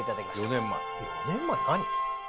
４年前何？